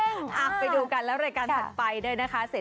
เออโหโหโหไปเออไปโหโหเออ